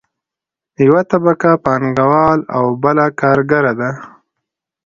یوه طبقه پانګوال او بله کارګره ده.